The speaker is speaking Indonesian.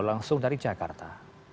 langsung dari jakarta